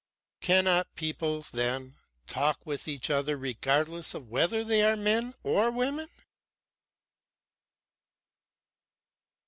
"Cannot people, then, talk with each other regardless of whether they are men or women?"